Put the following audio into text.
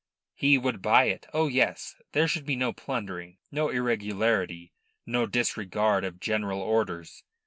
He would buy it. Oh yes! There should be no plundering, no irregularity, no disregard of general orders.